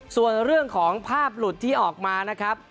ส่วนเรื่องของภาพหลุดที่ออกมานะครับ